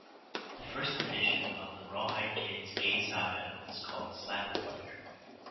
The first edition of the Rawhide Kid's gay saga was called "Slap Leather".